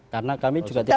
karena kami juga tidak